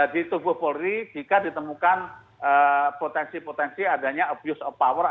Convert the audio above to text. di tubuh polri jika ditemukan potensi potensi adanya abuse of power